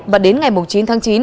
và đến ngày chín tháng chín